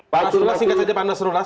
pak nasrullah singkat saja pak nasrullah